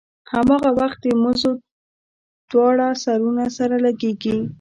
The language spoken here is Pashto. هماغه وخت د مزو دواړه سرونه سره لګېږي.